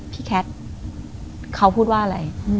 แคทเขาพูดว่าอะไร